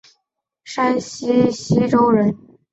山西忻州人。